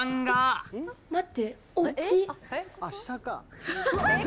待って。